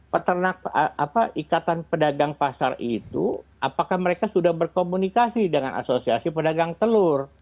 peternak ikatan pedagang pasar itu apakah mereka sudah berkomunikasi dengan asosiasi pedagang telur